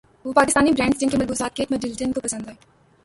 وہ پاکستانی برانڈز جن کے ملبوسات کیٹ مڈلٹن کو پسند ائے